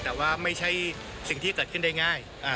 แต่ว่าไม่ใช่สิ่งที่เกิดขึ้นได้ง่าย